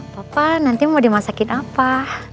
papa nanti mau dimasakin apa